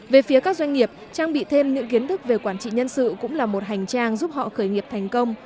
về phía các doanh nghiệp trang bị thêm những kiến thức về quản trị nhân sự cũng là một hành trang giúp họ khởi nghiệp thành công